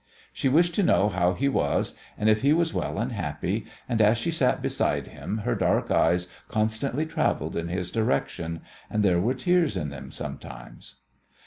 She wished to know how he was, and if he was well and happy, and as she sat beside him her dark eyes constantly travelled in his direction, and there were tears in them sometimes.